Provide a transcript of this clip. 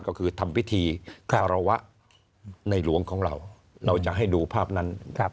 ก็คือทำพิธีคารวะในหลวงของเราเราจะให้ดูภาพนั้น